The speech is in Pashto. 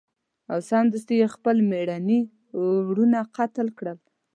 او سمدستي یې خپل میرني وروڼه قتل کړل.